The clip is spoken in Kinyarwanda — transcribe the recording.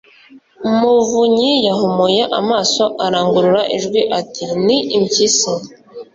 Muvunyi yahumuye amaso arangurura ijwi ati: "Ni impyisi!"